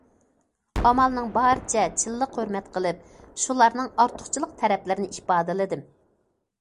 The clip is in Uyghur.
ئامالنىڭ بارىچە چىنلىققا ھۆرمەت قىلىپ، شۇلارنىڭ ئارتۇقچىلىق تەرەپلىرىنى ئىپادىلىدىم.